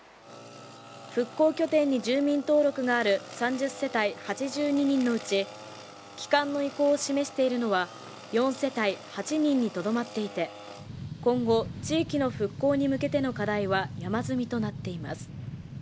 復興拠点に住民登録がある３０世帯８２人のうち帰還の意向を示しているのは４世帯８人にとどまっていて今後、地域の復興に向けての課題は山積みとなっています。